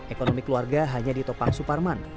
ekonomi keluarga hanya di topang suparman